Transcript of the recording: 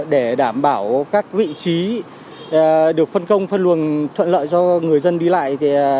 để đảm bảo các vị trí được phân công phân luồng thuận lợi cho người dân đi lại